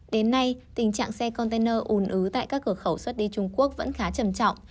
đến nay tình trạng xe container ùn ứ tại các cửa khẩu xuất đi trung quốc vẫn khá trầm trọng